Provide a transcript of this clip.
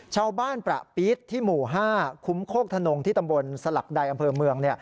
ชาวบ้านประปิศที่หมู่๕คุ้มโคกถนนที่ตำบลสลักใดอำเภอเมือง